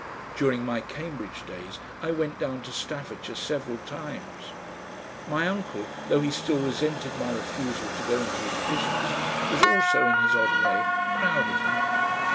During my Cambridge days I went down to Staffordshire several times. My uncle, though he still resented my refusal to go into his business, was also in his odd way proud of me.